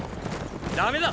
ダメだ！